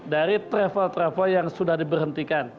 dari travel travel yang sudah diberhentikan